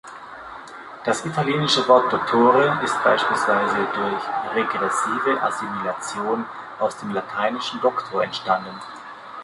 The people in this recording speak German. Das italienische Wort "dottore" ist beispielsweise durch regressive Assimilation aus dem lateinischen "doctor" entstanden.